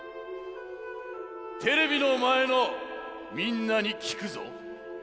テレビのまえのみんなにきくぞ。